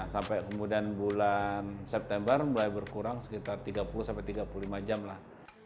sampai kemudian bulan september mulai berkurang sekitar tiga puluh sampai tiga puluh lima jam lah